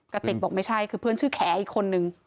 กระติกบอกไม่ใช่คือเพื่อนชื่อแขอีกคนนึง